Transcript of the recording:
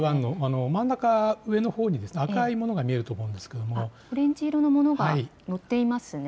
真ん中、上のほうに赤いものが見えると思うのですが、オレンジ色のものが載っていますね。